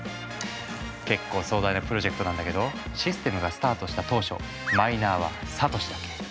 結構壮大なプロジェクトなんだけどシステムがスタートした当初マイナーはサトシだけ。